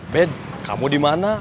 ben kamu dimana